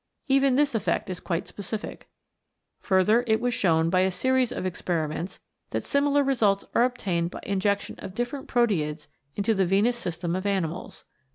Even this effect is quite specific. Further, it was shown by a series of experiments that similar results are obtained by injection of different proteids into the venous system of animals.